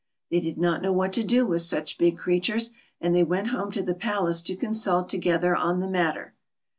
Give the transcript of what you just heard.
They did not know what to do with such big creatures, and they went home to the palace to consult together on the matter.